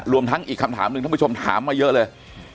รวมทั้งอีกคำถามหนึ่งท่านผู้ชมถามมาเยอะเลย